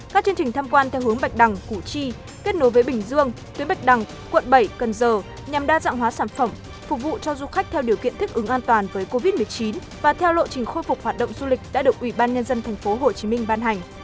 các chương trình tham quan theo hướng bạch đằng củ chi kết nối với bình dương tuyến bạch đằng quận bảy cần giờ nhằm đa dạng hóa sản phẩm phục vụ cho du khách theo điều kiện thích ứng an toàn với covid một mươi chín và theo lộ trình khôi phục hoạt động du lịch đã được ủy ban nhân dân tp hcm ban hành